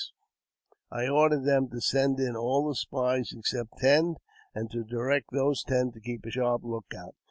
I ordered them to send in all the spies except ten, and to direct those ten to keep a sharp look out.